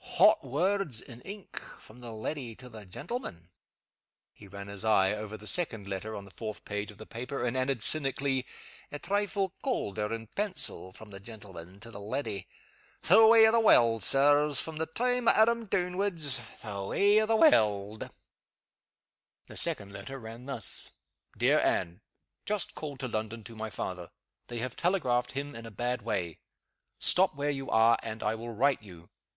"Hot words (in ink) from the leddy to the gentleman!" He ran his eye over the second letter, on the fourth page of the paper, and added, cynically, "A trifle caulder (in pencil) from the gentleman to the leddy! The way o' the warld, Sirs! From the time o' Adam downwards, the way o' the warld!" The second letter ran thus: "DEAR ANNE, Just called to London to my father. They have telegraphed him in a bad way. Stop where you are, and I will write you.